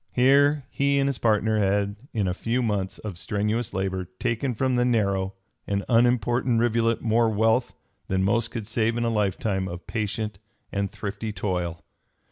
Here he and his partner had in a few months of strenuous labor taken from the narrow and unimportant rivulet more wealth than most could save in a lifetime of patient and thrifty toil.